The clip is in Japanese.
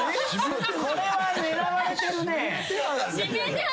これは狙われてるね。